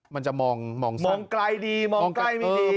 มันจะมองมองสั้นมองใกล้ดีมองใกล้ไม่ดี